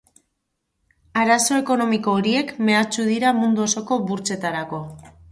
Arazo ekonomiko horiek mehatxu dira mundu osoko burtsetarako.